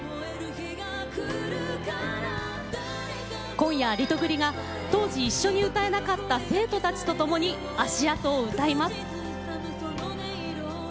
今夜リトグリが当時一緒に歌えなかった生徒たちとともに「足跡」を歌います。